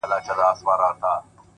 لكه د مور چي د دعا خبر په لپه كــي وي;